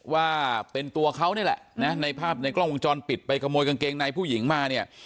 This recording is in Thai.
ว่าเป็นตัวเขานี่แหละนะในภาพในกล้องวงจรปิดไปขโมยกางเกงในผู้หญิงมาเนี่ย